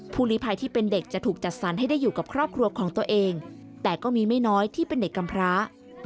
ลิภัยที่เป็นเด็กจะถูกจัดสรรให้ได้อยู่กับครอบครัวของตัวเองแต่ก็มีไม่น้อยที่เป็นเด็กกำพร้า